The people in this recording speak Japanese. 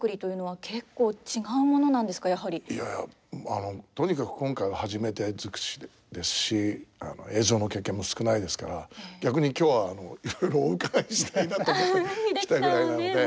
いやあのとにかく今回は初めて尽くしですし映像の経験も少ないですから逆に今日はいろいろお伺いしたいなと思って来たぐらいなので。